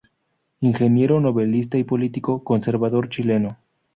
Ingeniero, novelista y político conservador chileno.